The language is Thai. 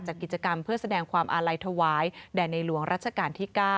กิจกรรมเพื่อแสดงความอาลัยถวายแด่ในหลวงรัชกาลที่๙